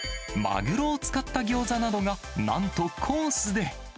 マグロを使ったギョーザなどが、なんとコースで。